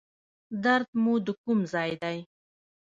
درد مو د کوم ځای دی؟